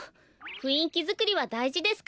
ふんいきづくりはだいじですから。